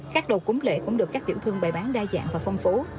các đồ cúng lễ cũng được các tiểu thương bày bán đa dạng và phong phú